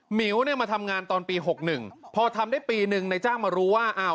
หมิ๋วมาทำงานตอนปี๖๑พอทำได้ปีหนึ่งนายจ้างมารู้ว่า